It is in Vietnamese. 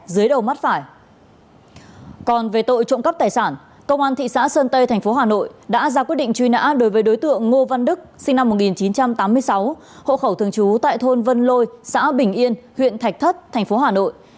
quyết định truy nã đối với đối tượng ngô văn đức sinh năm một nghìn chín trăm tám mươi sáu hộ khẩu thường trú tại thôn vân lôi xã bình yên huyện thạch thất thành phố hà nội